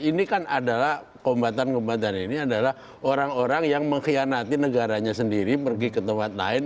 ini kan adalah kombatan kombatan ini adalah orang orang yang mengkhianati negaranya sendiri pergi ke tempat lain